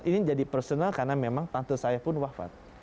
ini jadi personal karena memang tante saya pun wafat